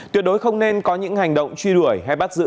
tuyệt đối không nên có những hành động truy đuổi hay bắt giữ